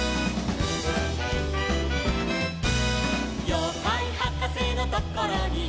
「ようかいはかせのところに」